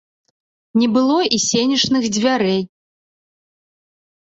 Не было і сенечных дзвярэй.